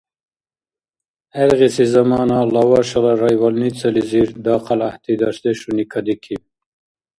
ГӀергъиси замана Лавашала райбольницализир дахъал гӀяхӀти дарсдешуни кадикиб.